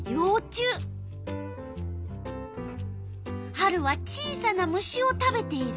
春は小さな虫を食べている。